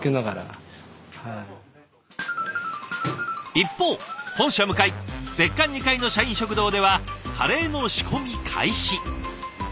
一方本社向かい別館２階の社員食堂ではカレーの仕込み開始。